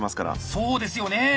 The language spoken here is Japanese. そうですよね。